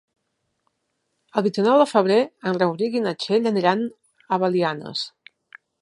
El vint-i-nou de febrer en Rauric i na Txell aniran a Belianes.